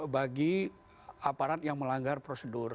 bagi aparat yang melanggar prosedur